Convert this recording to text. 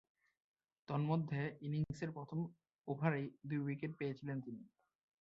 তন্মধ্যে ইনিংসের প্রথম ওভারেই দুই উইকেট পেয়েছিলেন তিনি।